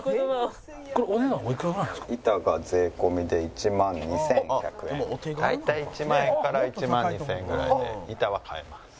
板が大体１万円から１万２０００円ぐらいで板は買えます。